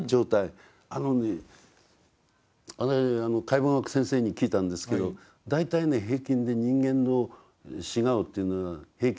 あのね私解剖学の先生に聞いたんですけど大体ね平均で人間の死顔というのは平均で２時間だそうですね。